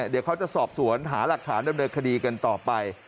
เดี๋ยวเขาจะสอบสวนหาหลักฐานดำเนินคดีกันต่อไป